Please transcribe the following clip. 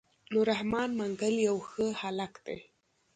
نور رحمن منګل يو ښه هلک دی.